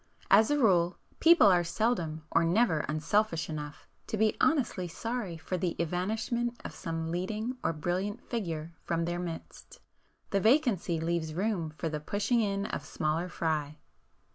As a rule, people are seldom or never unselfish enough to be honestly sorry for the evanishment of some leading or brilliant figure from their midst,—the vacancy leaves room for the pushing in of smaller fry.